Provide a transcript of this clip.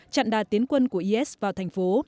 chặn đà tiến quân của is vào thành phố